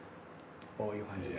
こういう感じで。